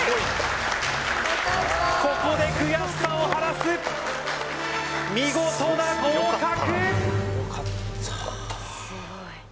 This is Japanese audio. ここで悔しさを晴らす見事な合格！